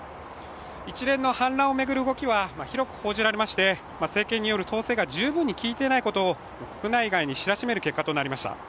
一連の反乱を巡る動きは、広く報じられまして政権による統制が十分に効いていないことを国内外に知らしめる結果となりました。